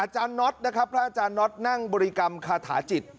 เนาทครับพระอาจารย์เนาทนั่งบริกรรมขาถาจิต